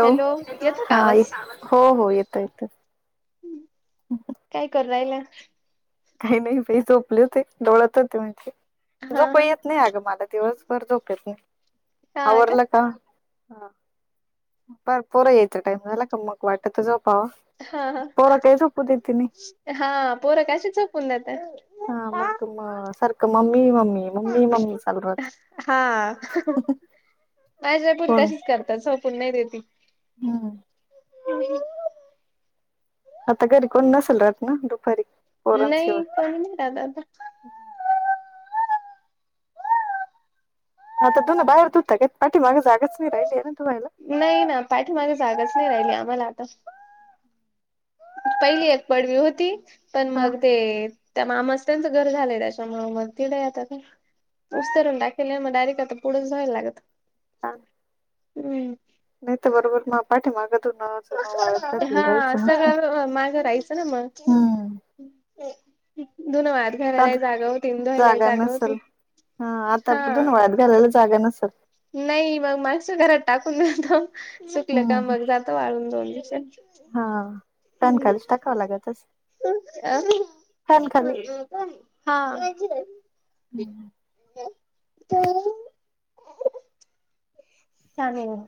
हो हॅलो येतो का हा आवाज हो हो येतो येतो काय करुन राहिल्या काही नाही बाई झोपले होते लोळत होते म्हणजे हा झोप येत नाही अगं मला दिवसभर झोपेल नाहीये आवरलं का हा पार पोरं यायचा टाइम झाला का मग वाटतं झोपावा हा हा पोरं काही झोपू देते नाही हा पोर कशाच झोपून देतात हा मग सारखं मम्मी मम्मी मम्मी मम्मी चालू हा राहतं माझ्या पोरी तशीच करता झोपून नाही देेती हम्म [inaudible] [unintelligible] आता घरी कोणी नसल राहत ना दुपारी नही पोरांशिवाय कोणी नही राहत आता हा तर धुन बाहेर धुता का पाठीमाग जागाच नाही राहिलीये ना धुवायला नाही ना पाठीमागे जागाच नाही राहिली आम्हाला आता पहिली एक पडवी होती पण हा मग ते त्या मामाच त्यांचं घर झालंय त्याच्यामुळ मग तिढयं आता काय उस्तरुन दाखवल्यावर म डायरेक्ट आता पुढच व्हायला लागत. हा [inaudible] हमम. नाही तर बरोबर मग पाठीमाघ धुणार हा सगळा माझ राहायचं ना मग. हम्म धुन वाळत [unintelligible] जाऊदे जागा होती धुवायला जागा होती नसेल हा आता धुन हा वाळत घालायला जागा नसेल. नाही मग मागच्या घरात टाकून जातो सुकल का हम्म मग जातं वाळून दोन दिवसात. हा फॅनखालीच टाकावं लागत असेल. हा. [unintelligible] चालेल [unintelligible]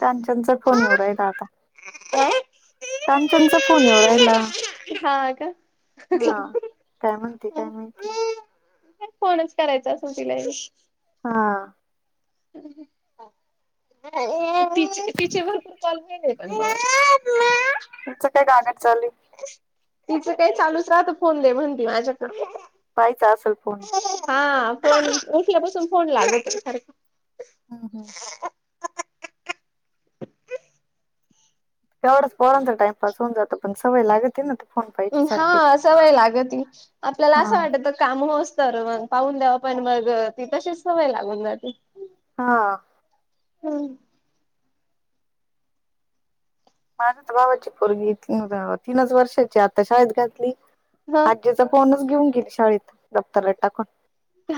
कांचनचा फोन येऊ राहिला आता [unintelligible] कांचनचा फोन येऊन राहिला. हा का? हा काय म्हणते काय माहिती. काय फोनच करायचां असं तिला या वेळेस हा. [unintelligible] तिची तिचे भरपूर कॉल राहिलेत पण तुमचं काय गागड चालू तिचं काय चालूच राहत फोन दे म्हणून माझ्याकड ताईचा असल फोन. हा फोन उठल्यापासून फोन लागतय सारखा हा हा. [inaudible] [unintelligible] तेवढाच पोरांचा टाइमपास होऊन जातो पण सवय लागते ना ते. फोन पाहिजे सारखे हा सवय लागते आपल्याला हा असं वाटत काम होईस तोवर मंग पाहून द्यावा पण मग ती तशीच सवय लागून जाते. हा. हम [inaudible] माझ्याच भावाची पोरगी ती गावात तीनच वर्षाचीये आता शाळेत घातली ह आज तर फोनच घेऊन गेली शाळेत दप्तरात टाकून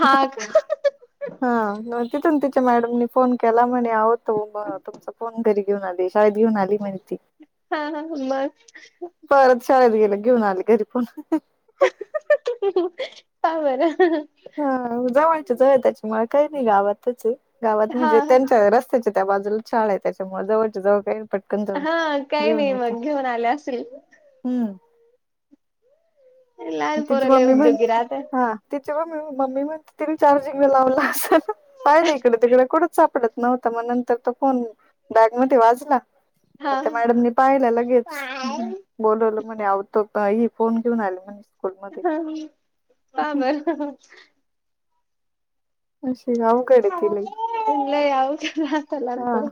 हा. हा न तिथून तिच्या मॅडमनी फोन केला म्हणे आहो तो म तुमचा फोन घरी घेऊन आली शाळेत घेऊन आली म्हणे ती. हा हा मग. परत शाळेत गेली घेऊन आले घरी फोन का बरं? हा जवळच्या जवळ त्याच्यामुळ काही नाही गावातचये. गावात हा म्हणजे त्यांच्या रस्त्याच्या त्या बाजूला शाळा आहे त्याच्यामुळे जवळच्या जवळ काही पटकन जाऊन हा काही घेऊन नाही येते मग घेऊन आल्या असेल. हम्म. लहान तिची पोरं लय मम्मी म्हण उद्योगी राहतात हा तिची म् मम्मी म्हणते तिने चार्जिंगला लावला असल. पहिलं इकड तिकडं कुठंच सापडत नव्हतं म नंतर तो फोन बॅग मध्ये वाजला. म हा त्या मॅडमनी पाहिला लगेच. बोलवलं म्हणे अव तो ताई फोन घेऊन आल्या म्ह हा बर. अशी अवघडे ती लै लय अवघड राहतात लहान हा. पोरं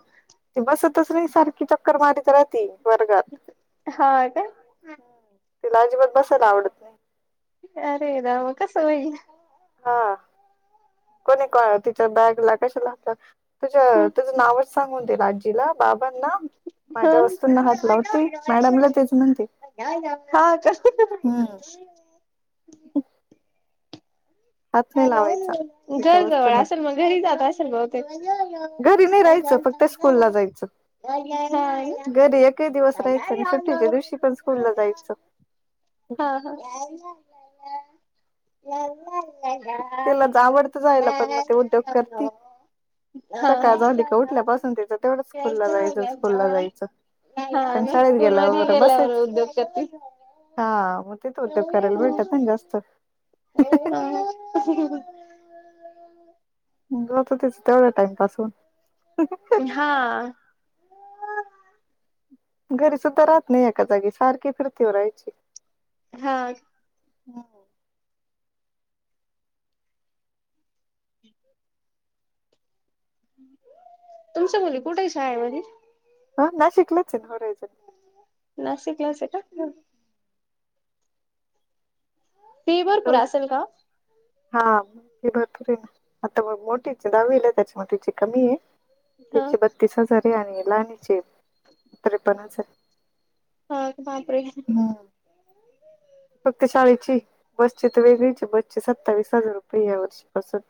ती बसतच नाही सारखी चक्कर मारीत राहते वर्गात. हा का. तिला अजिबात बसायला आवडत नाही अरे राव कसं होईल. हा कोणी तिच्या बॅगला कशाला तुझ हा तुझं नावच सांगून देईल आजीला बाबांना. हा माझ्या वस्तूंना हात लावते मॅडमलाच तेच म्हणते. हा का. हम्म हात नाही लावायचा तिच्या घरजवळ वस्तूंना असेल मंग घरी जात असेल भवतेक. घरी नाही राहायचं फक्त स्कूल ला जायचं. हा घरी एकही दिवस राहायचं नाही सुट्टीच्या दिवशी पण स्कूल ला जायचं. हा हा. [inaudible] तिला हा आवडतं जायला पण मग ते उद्योग हा. करती. हा सकाळ झाली का ना उठल्यापासून तिचं तेवढंच स्कूल स्कूलला जायचं स्कूलला मध्ये जायचं. गेल्यावर पण शाळेत गेल्यावर उद्योग बसायच करती. हा म तेेच उद्योग करायला भेटत ना जास्त. ह. जात तेच तेवढं टाइमपास होऊन. हां. घरी सुद्धा राहत नाही एका जागी सारखी फिरतीवर राहायची. हा. तुमच्या मुली कुठंय शाळेमध्ये. हा नाशिकलाच ये होरायझन. नाशिकलाचये का? ती भरपूर असेल का? हा ती भरपूरयेना. आता मग मोठीचे दहावीला त्याच्यामुळे तिची कमी ये. हा तीचे बत्तीस हजार आहे आणि लाणीचे त्रेपन्न हजार आहे. हा बापरे. हम्म. फक्त शाळेची बसची त वेगळीचे बसची सत्तावीस हजार रुपये या वर्षीपासून.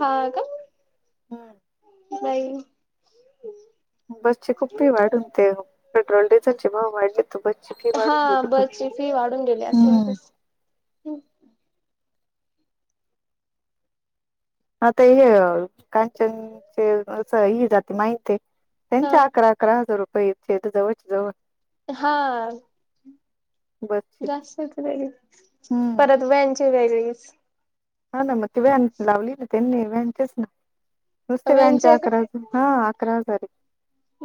हा का हम्म. नाही. बसची खूप फी वाढून येते हो. पेट्रोल डिझेल चे भाव वाढले तू बसची फी हा वाढून घ बसची फी वाढून गेली असं अन् तसं. आता हे कांचनचे अस ह जाते माहिती हा त्यांच्या अकरा अकरा हजार रुपये येते इथं जवळच्या जवळ. हा. बसची. जास्तच वेगळी हम्म. परत व्हेनचे वेगळीच. हा ना मग ते व्हॅन लावली ना त्यांनी व्हॅनचेच ना नुसते व्हॅनची व्हॅनच्या आहे का आकार हा अकरा हजार आहे.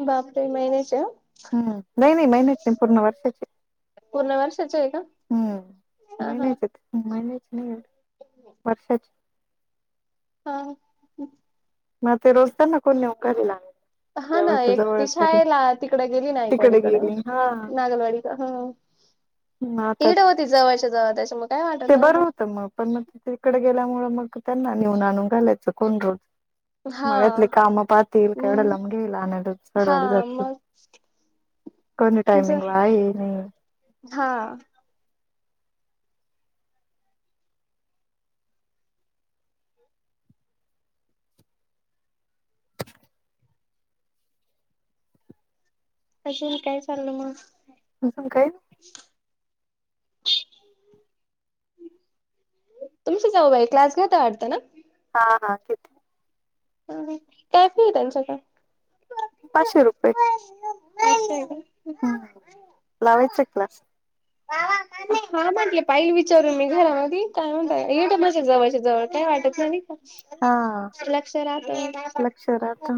बापरे महिन्याची हम्म नाही, नाही महिन्याची नाही पूर्ण वर्षाची पूर्ण वर्षाची आहे का? हा, हा. महिन्याची नाही आहे. वर्षाची. हा, हा. मग रोजत्याना कोण नेऊ करिला हा ना एक ती शाळेला तिकडं गेली नाईकवाडी तिकडे कडं गेली हा नागलवाडी ह. नात इड होती जवळच्या जवळ त्याच्यामुळ ते बरं होतं मग पण मग तिकडे गेल्यामुळ मग त्यांना नेऊन आणून घालायचं कोण रोज हा मळ्यातले काम पाहतील केवढ्या हम् लांब घ्यालला हा सोडवायला जातील. मग कोणी ज टायमिंग वा आहे नाही हा.. अजून काय चाललं मग? अजून काय? [inaudible] तुमची जाऊबाई क्लास घेता वाटतना? हा हा तेच कॅप आहे त्यांच्याकड. पाचशे रुपये. अ [unintelligible] हम्म लावायचा का क्लास? वा वा काय हा म्हटले पाहिल विचारून मी घरामध्ये काय म्हणता ये माझ्या जवळच्या जवळ काय वाटत नाही का. हा [unintelligible] लक्ष राहतं लक्ष राहत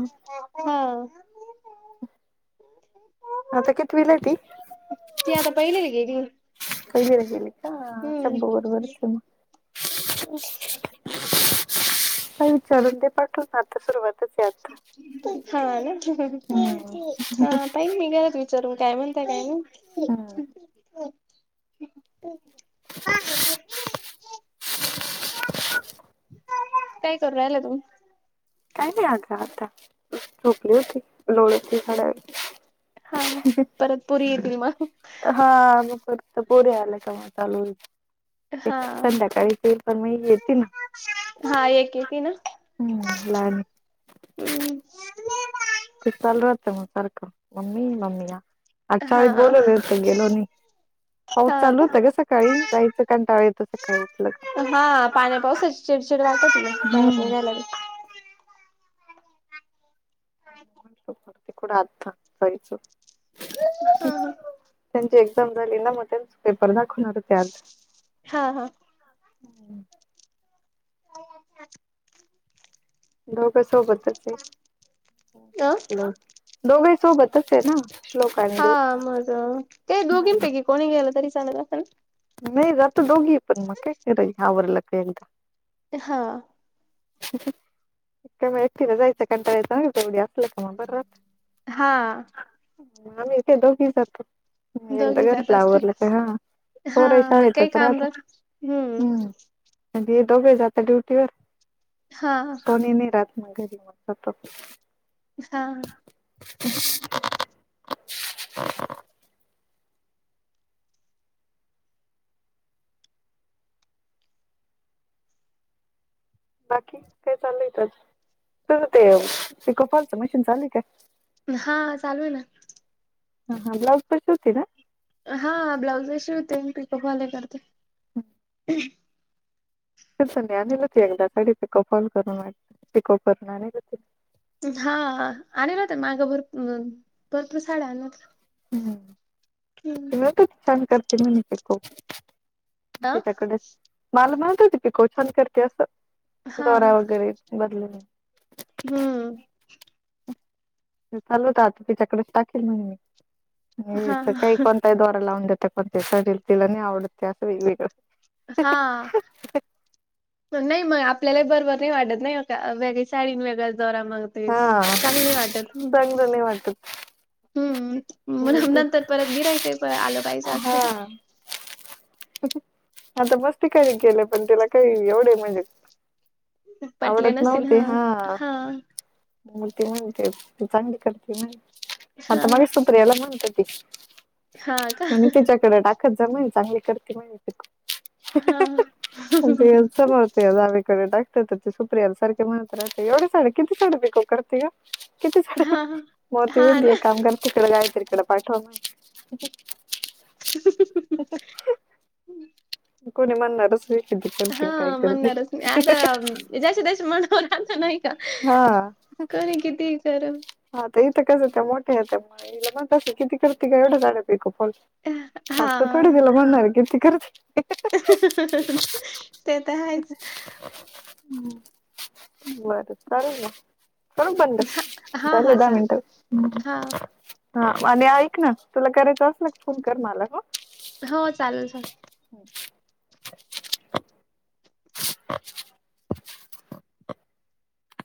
हा आता कितवीला आहे ती? ती आता पहिलीला गेली. पहिलीला गेली का? हम्म शम्भू बरोबरचय. [inaudible] पाय विचारून दे पाठवुन आता सुरवात हा ना हम्म हा पहिन मी घरात काय म्हणताय काय नाही. हम्म पाणी पिते पा काय करू राहिल्या तुम्ही? काय नाही आता, आता. झोपली वो ती लोळली होती थोडा वेळ. हा परत पोरी येतील मग. हा मग परत त्या पोरी आल्या कि चालू होईल. हा संध्याकाळी तं येईल पण मग हे येेतीन हा एक येती ना हम्म लहान हम्म चालू राहतं मं सारखं मम्मी, मम्मी या आज हा शाळेत बोलवले होतं गेलो नाही. पाऊस हा चालू का होता गं सकाळी जायचा कंटाळा येतो सकाळी उठलं का. हा पाण्या पावसाची चिडचिड राहतेच ना बाहेर हम्म निघायला बी. कुढं आता जायचं. हा त्यांची एक्झाम झाली ना मग त्यांच पेपर दाखवणार होते आज. हा हा. [unintelligible] दोघं सोबतचये, अ दोघही सोबतचये ना. श्लोक आणि हा देऊ मग ते दोघींपैकी कोणी गेलं तरी चालत असल ना? नाही जातो दोघी पण मग काय करायच आवरलं का एकदा. हा. का मं एकटीला जायचा कंटाळा येतो काय उद्या. मं बरं राहतं, हा आम्ही इथे दोघी जातो. एकदा दोघी जात घरातलं असतील आवरलं का हा पोरंही हां, मग काही शाळेतच काम राहता राह हं. हम्म अन हे दोघेई जाता ड्युटीवर. हा. कोणी नाय राहत मग घरी तसच हा. [inaudible] बाकी काय चाललंय? तुझं ते पिको फॉलचं मशीन चालूये काय? हा चालूये ना. हा ब्लॉऊज पण शिवते का? हा ब्लाउज हि शिवते अन पिको फॉलही करते. अनिलत एकदा पिको फॉल करून वाटत पिको करणारे. हा आणेल होत्या मागं भरपुर भरपूर साड्या आणल्या होत्या. हम्म हं. म्हणत होती छान करते म्हणे पिको. अ? तिच्याकडे माल म्हणत ती पिको छान करते असं. हा दोरा हा वगैरे बदलून हम्म. चाललं होत आता तिच्याकडेच टाकेल म्हण मी हे हित हां, काय कोण दोरा लावून देतय कोणत्याही साडीला तिला नाय आवडत ते असं वेगळं वेगळं. हा. नाई मग आपल्यालाही बरबर नाय वाटत नाही का वेगळी साडी वेगळाच दोरा मग तेच, हा चांगली नाय वाटत. चांगलं नाही वाटत हम्म मग म्हणून ते नंतर परत गिऱ्हाईक हि परत आलं पाहिजे असं. हा. [inaudible] आता मस्त काही केलं पण त्याला काही एवढे म्हणजे पटले आवडत नसतील. नव्हते हां. हा. हां, मोठी म्हणते चांगली करते म्हणे आता हां, मगाशी सुप्रियाला म्हणत होती. हां का? म्हणी तिच्याकड टाकत जा म्हणी चांगली करती म्हणी पिको. हा देत जा त्या जावे कड टाकते त ती सुप्रियाला सारखी म्हणत राहते एवढ्या साड्या किती साड्या पिको करती ग. किती साड्या हा म ती हा म्हणती ना एक काम करा गायत्रीकड पाठव माय. कोणी म्हणणारच नाय. हा म्हणणारच नाय आता ज्याच्या त्याच्या मनावर राहत नाय का? कोणी किती ही करो हा आता इथं कसं त्या मोठ्या हाय त्यामुळं मग हिला म्हणत असतील किती करती ग एवढ्या साड्या पिको फॉल. [unintelligible] आता थोडी हा. तिला म्हणणार आहे, किती करते ते तर हायच. [unintelligible] हम्म. बर करेल ना. करू का बंद? हा झाले हा दहा चालेल मिनिटं. हम्म. हा हा. आणि ऐक ना तुला करायचं असल का फोन कर मला हं. हं. चालेल चालेल. हो. [unintelligible]